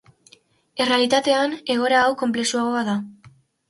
Errealitatean, egoera hau konplexuagoa da.